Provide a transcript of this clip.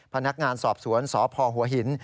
พนักงานสอบสวนสพหัวหิน